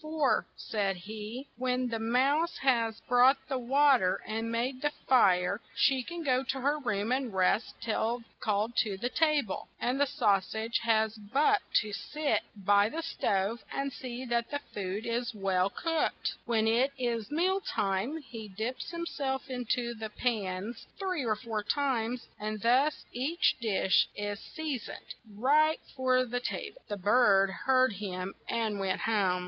"For," said he, "when the mouse has brought the wa ter and made the fire, she can go to her, room and rest till called to the ta ble. And the sau sage has but to sit by the THE MOUSE, THE BIRD, AND THE SAUSAGE 135 stove and see that the food is well cooked. When it is meal time, he dips him self in to the pans three or four times, and thus each dish is sea soned right for the ta ble." The bird heard him, and went home.